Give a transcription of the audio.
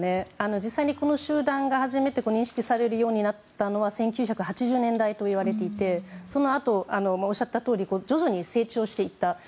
実際にこの集団が初めて認識されるようになったのは１９８０年代といわれていてそのあと、おっしゃったとおり徐々に成長していった。